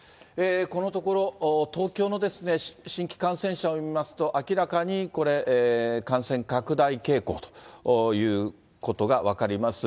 このところ、東京の新規感染者を見ますと、明らかにこれ、感染拡大傾向ということが分かります。